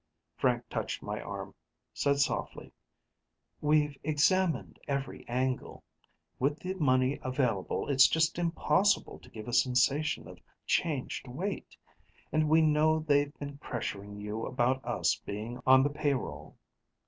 Frank touched my arm, said softly, "We've examined every angle. With the money available, it's just impossible to give a sensation of changed weight. And we know they've been pressuring you about us being on the payroll."